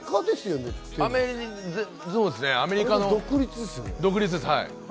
アメリカの独立ですよね。